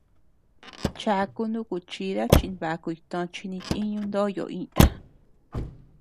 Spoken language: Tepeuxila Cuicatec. Chaku nuku chida chimbaukuñ tochi nituñu ndoyo iña.